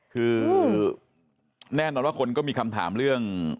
คือแน่นอนว่าคนก็มีคำถามเรื่อง